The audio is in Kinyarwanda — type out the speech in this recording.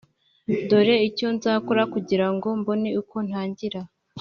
Dore icyo nzakora kugira ngo mbone uko ntangira